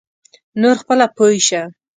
نور خپله پوی شه.